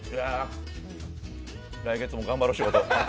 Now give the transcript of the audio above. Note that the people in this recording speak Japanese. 来月も頑張ろう、仕事。